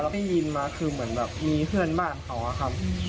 ได้ยินมาคือเหมือนแบบมีเพื่อนบ้านเขาอะครับ